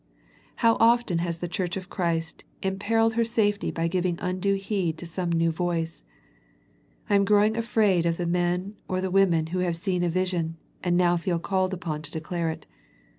How often has the Church of Christ imper illed her safety by ^ivin^ undue heed to some new voice. I am growingly afraid of the men or the women who have seen a vision, and now feel called upon to declare it.